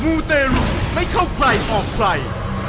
มูเตลุไม่เข้าใกล้ออกฝ่าย